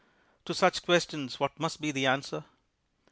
To such questions, what must be the answer